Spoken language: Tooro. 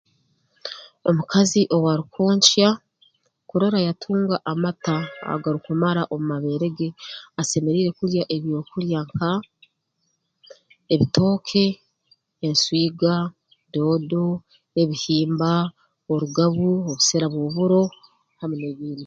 Omukazi owaarukwonkya kurora yatunga amata agarukumara omu mabeere ge asemeriire kulya ebyokulya nka ebitooke enswiga doodo ebihimba orugabu obusera bw'oburo hamu n'ebindi